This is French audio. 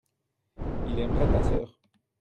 il aimerait ta sœur.